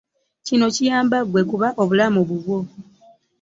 Kino kiyamba ggwe kuba obulamu bubwo.